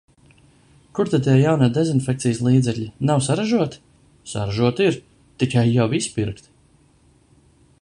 Kur tad tie jaunie dezinfekcijas līdzekļi? Nav saražoti?- Saražoti ir! Tikai jau izpirkti.-...